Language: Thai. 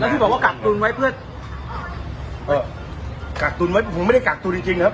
ที่บอกว่ากักตุนไว้เพื่อกักตุนไว้ผมไม่ได้กักตุนจริงจริงครับ